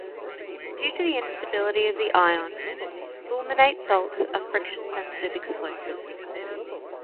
Due to the instability of the ion, fulminate salts are friction-sensitive explosives.